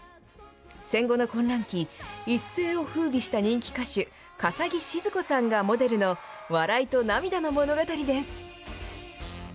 戦後の混乱期、一世をふうびした人気歌手、笠置シヅ子さんがモデルの笑いと涙の物語です。